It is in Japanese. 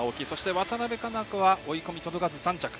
渡部香生子は追い込み届かず３着。